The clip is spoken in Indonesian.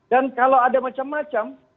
dan kalau ada macam macam